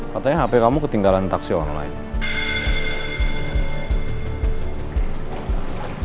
katanya hp kamu ketinggalan taksi online